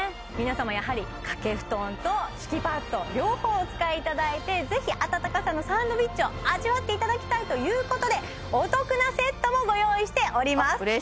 皆様やはりかけ布団と敷きパッド両方お使いいただいてぜひあたたかさのサンドイッチを味わっていただきたいということでお得なセットもご用意しております！